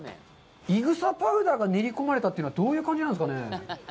いぐさパウダーが練り込まれたというのは、どういう感じなんですかね。